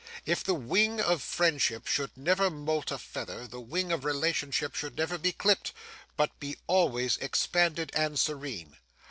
If the wing of friendship should never moult a feather, the wing of relationship should never be clipped, but be always expanded and serene.